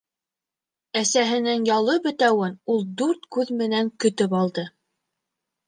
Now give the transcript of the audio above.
Әсәһенең ялы бөтәүен ул дүрт күҙ менән көтөп алды.